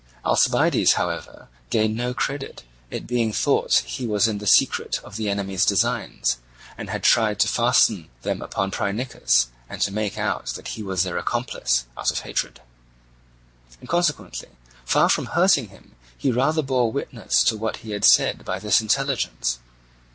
Alcibiades, however, gained no credit, it being thought that he was in the secret of the enemy's designs, and had tried to fasten them upon Phrynichus, and to make out that he was their accomplice, out of hatred; and consequently far from hurting him he rather bore witness to what he had said by this intelligence.